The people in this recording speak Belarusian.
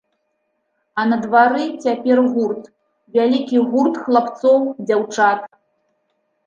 А на двары цяпер гурт, вялікі гурт хлапцоў, дзяўчат.